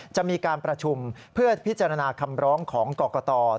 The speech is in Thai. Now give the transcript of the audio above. จะมีการประชุมเพื่อพิจารณาคำร้องของกรกต